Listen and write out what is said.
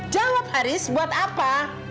jawab haris buat apa